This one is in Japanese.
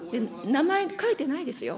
名前書いてないですよ。